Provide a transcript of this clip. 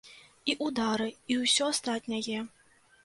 І ўдары, і ўсё астатняе.